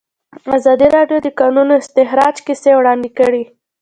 ازادي راډیو د د کانونو استخراج کیسې وړاندې کړي.